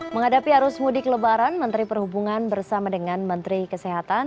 menghadapi arus mudik lebaran menteri perhubungan bersama dengan menteri kesehatan